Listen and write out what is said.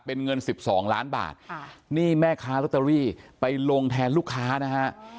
เป็นเงิน๑๒ล้านบาทนี่แม่ค้าลอตเตอรี่ไปลงแทนลูกค้านะฮะ